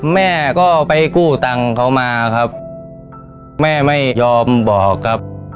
แม่ก็ไปกู้ตังค์เขามาครับแม่ไม่ยอมบอกครับ